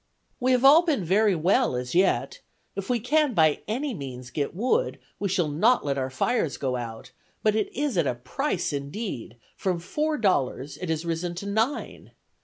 "We have all been very well as yet; if we can by any means get wood, we shall not let our fires go out, but it is at a price indeed; from four dollars it has risen to nine.